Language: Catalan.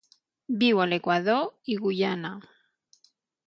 Viu a l'Equador i Guyana.